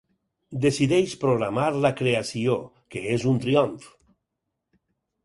Decideix programar la creació, que és un triomf.